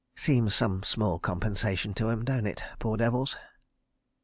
... Seems some small compensation to 'em, don't it, poor devils.